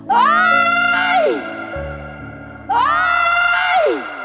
โอ้ย